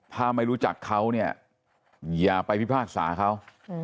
ถ้าไม่รู้จักเขาเนี่ยอย่าไปพิพากษาเขา